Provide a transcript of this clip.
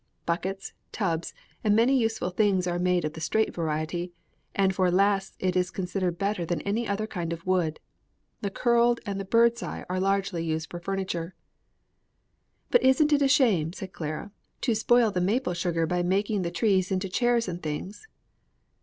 Buckets, tubs and many useful things are made of the straight variety, and for lasts it is considered better than any other kind of wood. The curled and the bird's eye are largely used for furniture." "But isn't it a shame," said Clara, "to spoil the maple sugar by making the trees into chairs and things?"